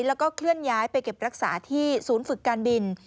แล้วก็เคลื่อนย้ายไปเก็บรักษาที่ศูนย์ฝึกการบิน